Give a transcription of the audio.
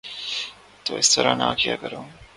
تم اس طرح نہ کیا کرو